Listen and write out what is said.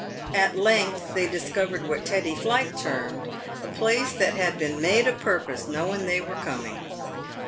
At length they discovered what Teddy Plight termed a place that had been "made o' purpose, knowing they were coming."